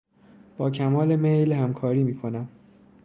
با کمال میل همکاری میکنم.